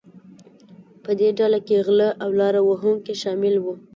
په دې ډله کې غلۀ او لاره وهونکي شامل وو.